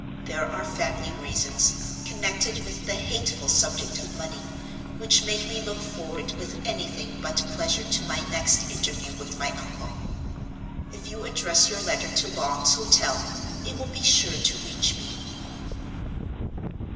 There are family reasons, connected with the hateful subject of money, which make me look forward with anything but pleasure to my next interview with my uncle. If you address your letter to Long's Hotel, it will be sure to reach me."